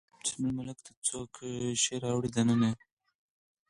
چې زموږ ملک ته څوک شی راوړي دننه